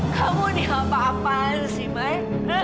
kamu diapa apaan sih mai